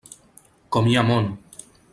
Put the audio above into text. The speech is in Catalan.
Com hi ha món!